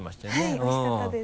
はいおいしかったです。